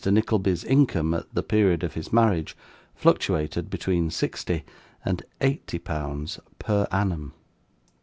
Nickleby's income, at the period of his marriage, fluctuated between sixty and eighty pounds PER ANNUM.